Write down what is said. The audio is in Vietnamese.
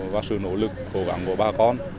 và sự nỗ lực cố gắng của bà con